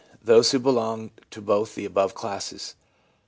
those who belonged to both the above classes.